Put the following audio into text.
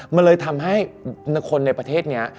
มันเลยทำให้คนในประเทศนี้